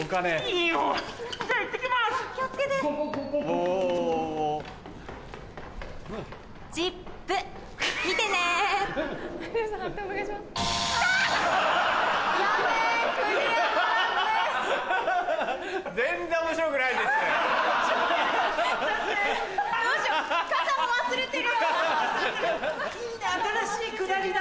いいね新しいくだりだ。